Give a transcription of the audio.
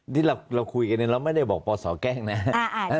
ที่เราคุยกันเนี่ยเราไม่ได้บอกปศแกล้งนะ